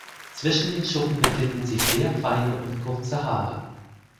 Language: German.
Zwischen den Schuppen befinden sich sehr feine und kurze Haare.